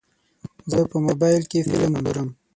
زه په موبایل کې فلم ګورم.